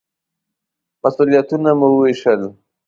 مسوولیتونه مو ووېشل.